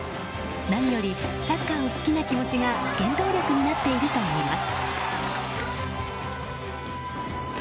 何よりサッカーを好きな気持ちが原動力になっているといいます。